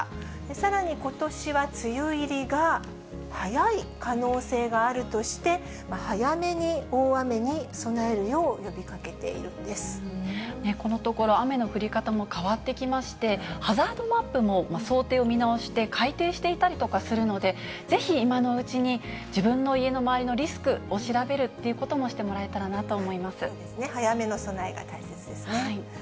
さらにことしは梅雨入りが早い可能性があるとして、早めに大雨にこのところ、雨の降り方も変わってきまして、ハザードマップも想定を見直して、改定していたりとかするので、ぜひ今のうちに、自分の家の周りのリスクを調べるっていうこともしてもらえたらなそうですね、早めの備えが大切ですね。